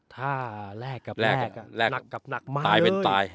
ถ้าแลกกับแลกหนักมาเลย